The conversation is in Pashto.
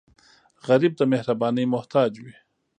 غریب د مهربانۍ محتاج وي